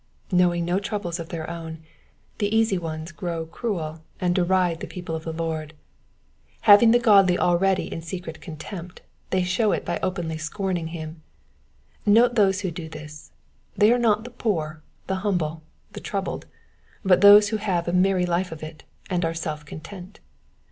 '* Knowing no troubles of their own, the easy ones grow cruel and deride the people of the Lord. UavinK the godly already in secret contempt, they show It by openly scorning them. I^^ote those who do this : they are not the poor, the humble, the troubled, but those who have a merry life of it, and are self content.